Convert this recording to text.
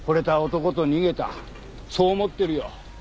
そう思ってるよ。